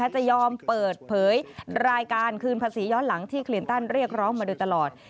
จะยอมเปิดเผยรายการคืนภาษีย้อนหลังที่คลินตันเรียกร้องมาโดยตลอด